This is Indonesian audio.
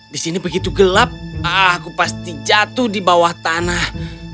di sini begitu gelap aku pasti jatuh di bawah tanah